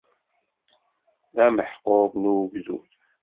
D ameḥqur n ugdud.